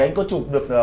anh có chụp được